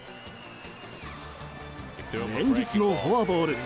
連日のフォアボール。